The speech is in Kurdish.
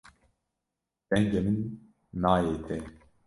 Dengê min nayê te.